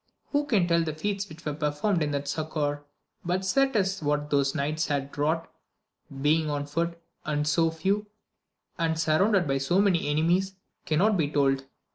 Who can tell the feats which were performed in that succour ? but certes what those knights had wrought, being on foot, and so few, and surrounded by so many enemies, cannot be told.